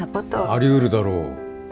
ありうるだろう。